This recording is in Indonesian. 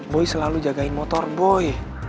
boy selalu jagain motor boy